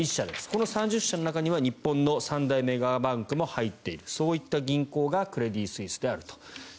この３０社の中には日本の三大メガバンクも入っているそういった銀行がクレディ・スイスであると。